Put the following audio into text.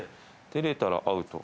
「照れたらアウト」？